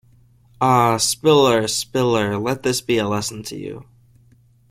Ah, Spiller, Spiller, let this be a lesson to you.